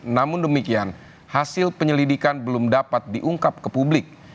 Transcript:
namun demikian hasil penyelidikan belum dapat diungkap ke publik